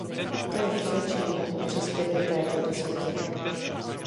To je vše, čím mohu přispět do této diskuse.